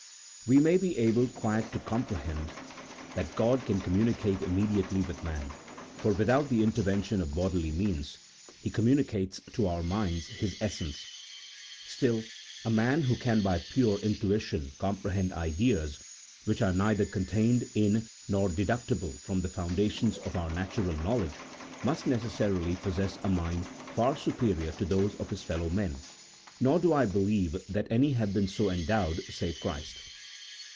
We may be able quite to comprehend that God can communicate immediately with man, for without the intervention of bodily means He com municates to our minds His essence ; still, a man who can by pure intuition comprehend ideas which are neither contained in nor deducible from the foundations of our natural know ledge, must necessarily possess a mind far superior to those of his fellow men, nor do I believe that any have been so endowed save Christ.